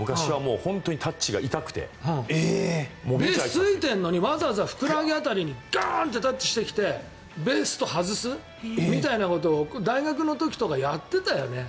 ベース着いてるのにわざわざ、ふくらはぎ辺りにガーンってタッチしてきてベースと外すみたいなことを大学の時とかやっていたよね。